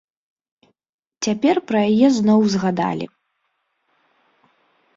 Цяпер пра яе зноў узгадалі.